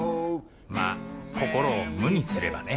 まあ心を無にすればね。